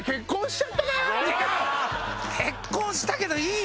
結婚したけどいい！